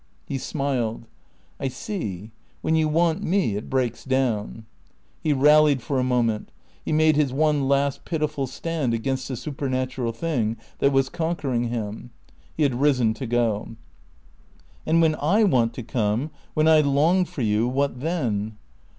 He smiled. "I see. When you want me, it breaks down." He rallied for a moment. He made his one last pitiful stand against the supernatural thing that was conquering him. He had risen to go. "And when I want to come, when I long for you, what then?"